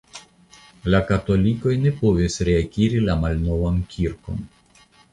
La katolikoj ne povis reakiri la malnovan kirkon.